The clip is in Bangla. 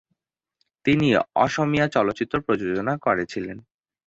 তিনি অসমীয়া চলচ্চিত্র প্রযোজনা করেছিলেন।